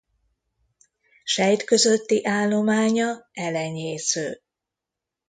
Sejt közötti állománya elenyésző.